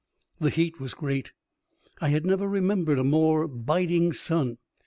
The heat was great ; I had never remembered a more biting sun.